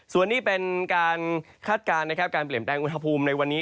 ส่วนนี้เป็นการคาดการณ์นะครับการเปลี่ยนแปลงอุณหภูมิในวันนี้